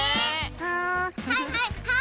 うんはいはいはい！